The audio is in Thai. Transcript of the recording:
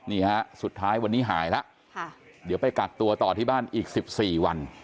นี่ฮะสุดท้ายวันนี้หายแล้วเดี๋ยวไปกักตัวต่อที่บ้านอีก๑๔วัน